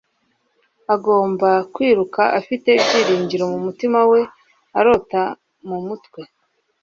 Agomba kwiruka afite ibyiringiro mumutima we arota mumutwe